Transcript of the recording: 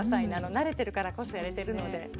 慣れてるからこそやれてるので。